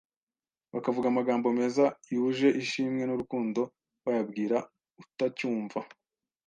Bakavuga amagambo meza yuje ishimwe n'urukundo bayabwira utacyumva